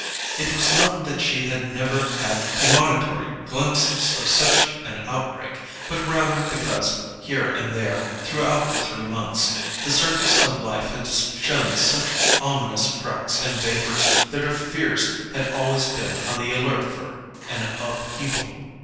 It was not that she had never had premonitory glimpses of such an outbreak; but rather because, here and there throughout the three months, the surface of life had shown such ominous cracks and vapours that her fears had always been on the alert for an upheaval.